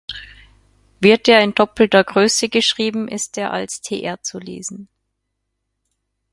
Wird er in doppelter Größe geschrieben, ist er als "tr" zu lesen.